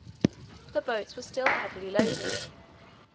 The boats were still heavily loaded.